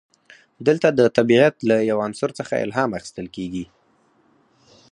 دلته د طبیعت له یو عنصر څخه الهام اخیستل کیږي.